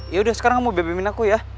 yaudah sekarang kamu bebemin aku ya